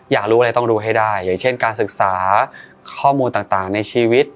อยากรู้อะไรต้องรู้ให้ได้อย่างเช่นการศึกษาข้อมูลต่างในชีวิต